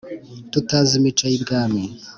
tutazi imico y'i bwami,